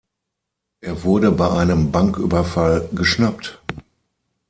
Er wurde bei einem Banküberfall geschnappt.